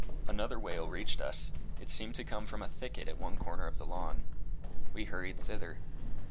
Another wail reached us. It seemed to come from a thicket at one corner of the lawn. We hurried thither.